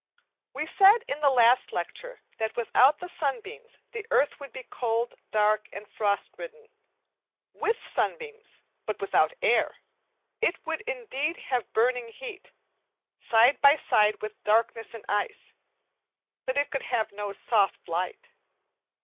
We said in the last lecture that without the sunbeams the earth would be cold, dark, and frost ridden. With sunbeams, but without air, it would indeed have burning heat, side by side with darkness and ice, but it could have no soft light.